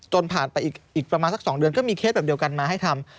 ผ่านไปอีกประมาณสัก๒เดือนก็มีเคสแบบเดียวกันมาให้ทำ